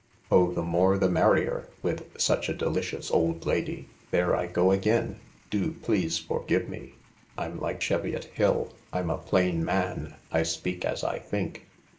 "Oh, the more the merrier, with such a delicious old lady. ... There I go again ! Do, please, forgive me. I'm like Cheviot Hill : I'm a plain man — I speak as I think."